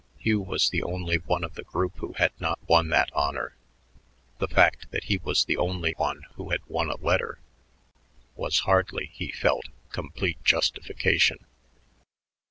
Hugh was the only one of the group who had not won that honor; the fact that he was the only one who had won a letter was hardly, he felt, complete justification.